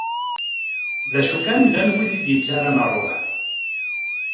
D acu kan llan wid i d-yettaran rruḥ.